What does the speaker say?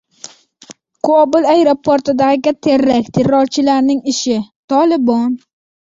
Kobul aeroportidagi terakt terrorchilarning ishi — Tolibon